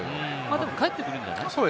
でも帰ってくるんじゃない？